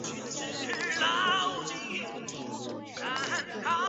为了弄出又酷又炫的效果